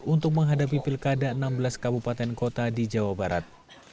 untuk menghadapi pilkada enam belas kabupaten kota di jawa barat